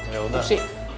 ya udah sih